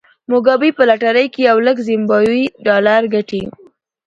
موګابي په لاټرۍ کې یو لک زیمبابويي ډالر ګټي.